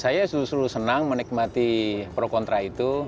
saya justru senang menikmati pro kontra itu